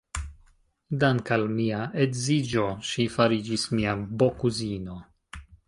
Dank' al mia edziĝo, ŝi fariĝis mia bokuzino.